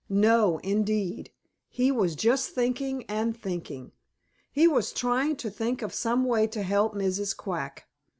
No, indeed! He was just thinking and thinking. He was trying to think of some way to help Mrs. Quack.